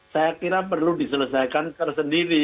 saya kira perlu diselesaikan tersendiri